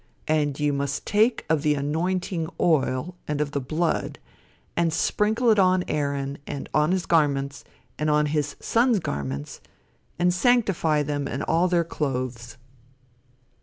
And you must take of the anointing oil, and of the blood, and sprinkle it on Aaron, and on his garments, and on his sons garments, and sanctify them and all their clothes."